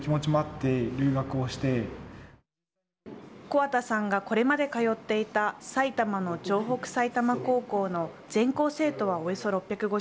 木幡さんがこれまで通っていた埼玉の城北埼玉高校の全校生徒はおよそ６５０人。